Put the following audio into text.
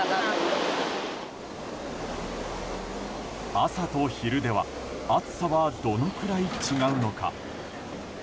朝と昼では暑さはどのくらい違うのか？